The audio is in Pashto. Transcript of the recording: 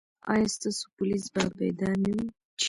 ایا ستاسو پولیس به بیدار نه وي؟